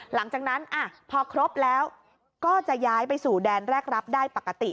หลังจากนั้นพอครบแล้วก็จะย้ายไปสู่แดนแรกรับได้ปกติ